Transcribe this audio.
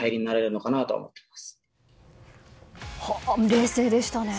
冷静でしたね。